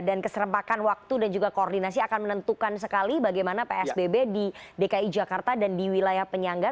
dan keserempakan waktu dan juga koordinasi akan menentukan sekali bagaimana psbb di dki jakarta dan di wilayah penyangga